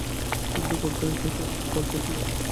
কিন্তু কর্তার ইচ্ছায় কর্ম, কর্তা কী বলেন।